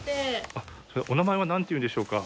お名前はなんていうんでしょうか？